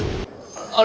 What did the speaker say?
あれ？